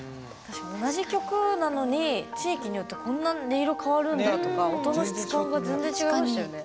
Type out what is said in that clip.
同じ曲なのに地域によってこんな音色変わるんだとか音の質感が全然違いましたよね。